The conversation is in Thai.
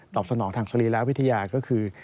สนองทางสรีระวิทยาก็คือ